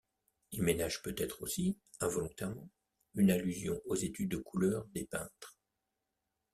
Il ménage peut-être aussi, involontairement, une allusion aux études de couleurs des peintres.